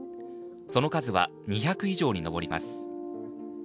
その数は、２００以上に上ります。